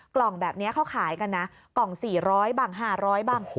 กล่องแบบนี้เขาขายกันนะกล่อง๔๐๐บ้าง๕๐๐บ้าง